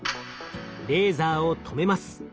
レーザーを止めます。